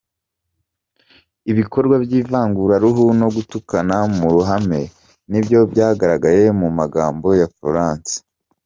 Ibikorwa by’ivanguraruhu no gutukana mu ruhame nibyo byagaragaye mu magambo ya Florence.